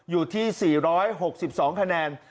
อยู่ที่๔๖๒คะแนน